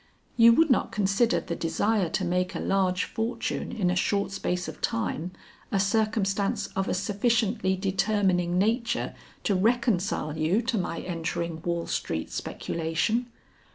You would not consider the desire to make a large fortune in a short space of time a circumstance of a sufficiently determining nature to reconcile you to my entering Wall Street speculation?"